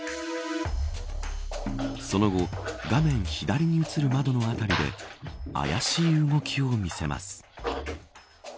その後画面左に映る窓の辺りで怪しい動きを見せます。